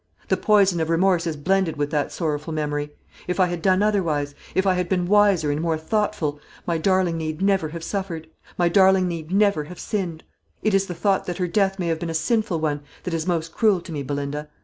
The poison of remorse is blended with that sorrowful memory. If I had done otherwise, if I had been wiser and more thoughtful, my darling need never have suffered; my darling need never have sinned. It is the thought that her death may have been a sinful one, that is most cruel to me, Belinda.